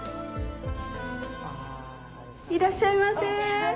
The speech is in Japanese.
いらっしゃいませ。